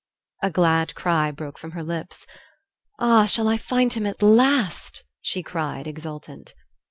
A glad cry broke from her lips. "Ah, shall I find him at last?" she cried, exultant.